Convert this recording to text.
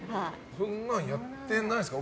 そんなんやってないですか？